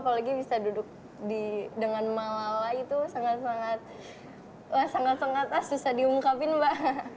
apalagi bisa duduk dengan malala itu sangat sangat susah diungkapin mbak